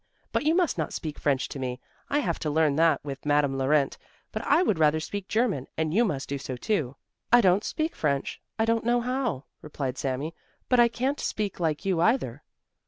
But you must not speak French to me. I have to learn that with Madame Laurent, but I would rather speak German, and you must do so too." "I don't speak French, I don't know how," replied Sami; "but I can't speak like you either."